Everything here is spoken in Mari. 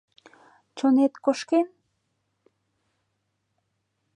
Чонет кошкен?